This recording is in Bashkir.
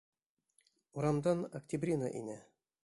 Урамдан Октябрина инә.